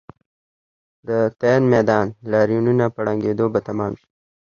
د تیان میدان لاریونونه په ړنګېدو به تمام شي.